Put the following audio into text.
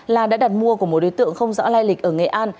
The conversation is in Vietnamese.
là đã đặt mua của một đối tượng không rõ lai lịch ở nghệ an